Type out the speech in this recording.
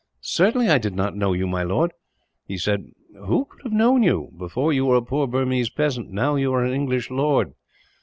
"Certainly I did not know you, my lord," he said. "Who could have known you? Before you were a poor Burmese peasant, now you are an English lord."